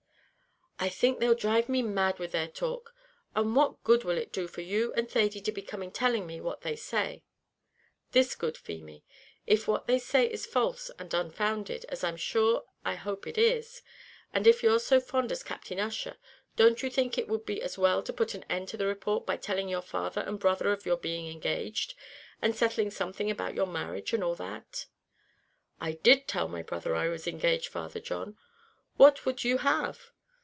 "I think they'll dhrive me mad with their talk! And what good will it do for you and Thady to be coming telling me what they say?" "This good, Feemy; if what they say is false and unfounded, as I am sure I hope it is, and if you're so fond of Captain Ussher, don't you think it would be as well to put an end to the report by telling your father and brother of your being engaged, and settling something about your marriage, and all that?" "I did tell my brother I was engaged, Father John; what would you have?"